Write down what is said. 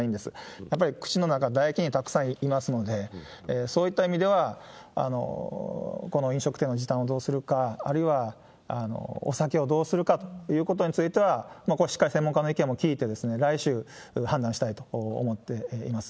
やっぱり口の中、唾液にたくさんいますので、そういった意味では、この飲食店の時短をどうするか、あるいはお酒をどうするかということについては、これはしっかり専門家の意見も聞いて、来週判断したいと思っています。